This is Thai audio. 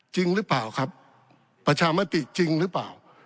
จริงหรือเปล่าครับประชามติจริงหรือเปล่า